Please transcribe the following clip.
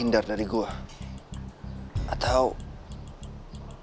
ayah lah island saja sih